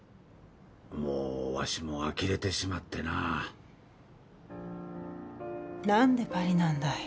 もうわしも呆れてしまってな・何でパリなんだい？